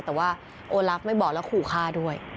แต่ว่าโอลับไม่บอกแล้วขู่ฆ่าด้วย